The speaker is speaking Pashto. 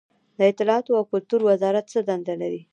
د اطلاعاتو او کلتور وزارت څه دنده لري؟